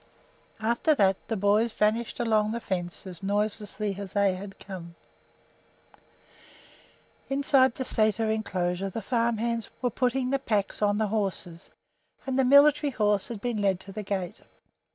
After that the boys vanished along the fence as noiselessly as they had come. Inside the sæter inclosure the farm hands were putting the packs on the horses, and the military horse had been led to the gate.